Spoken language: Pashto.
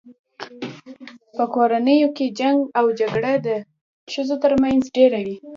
په کورونو کي جنګ او جګړه د ښځو تر منځ ډیره وي